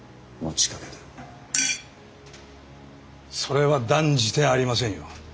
それは断じてありませんよ。